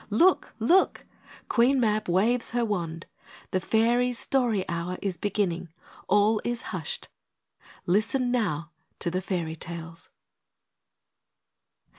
Look! Look! Queen Mab waves her wand! The Fairies' Story Hour is beginning. All is hushed. Listen now to the Fairy tales.